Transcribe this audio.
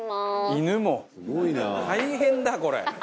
「犬も？大変だ！これ」